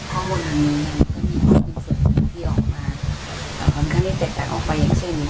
ข้อมูลอันนี้ก็มีความเป็นส่วนที่ที่ออกมาแต่ค่อนข้างนี้แตกแตกออกไปอย่างเช่น